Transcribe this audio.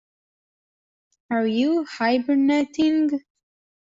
Are you hibernating?